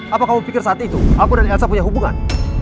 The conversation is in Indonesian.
apa kamu pikir saat itu aku dan elsa punya hubungan